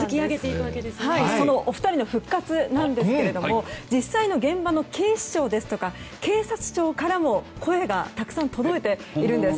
そのお二人の復活なんですが実際の現場の警視庁ですとか警察庁からも声がたくさん届いているんです。